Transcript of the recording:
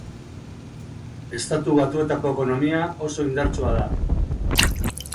Estatu Batuetako ekonomia oso indartsua da.